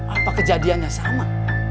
apa kejadiannya sama